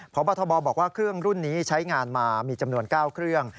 พบทบบอกว่าเครื่องรุ่นนี้ใช้งานมามีจำนวน๙เครื่อง